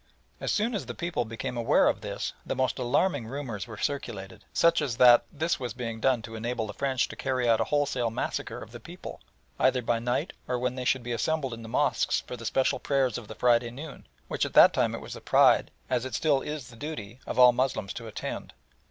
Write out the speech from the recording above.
As soon as the people became aware of this the most alarming rumours were circulated, such as that this was being done to enable the French to carry out a wholesale massacre of the people, either by night or when they should be assembled in the mosques for the special prayers of the Friday noon, which at that time it was the pride, as well as it still is the duty, of all Moslems to attend.